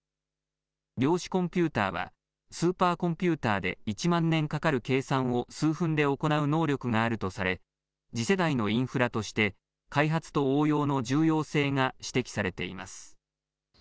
量子コンピューターはスーパーコンピューターで１万年かかる計算を数分で行う能力があるとされ次世代のインフラとして開発と応用の重要性が指摘されています。